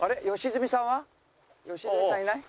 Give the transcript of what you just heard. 良純さんいない？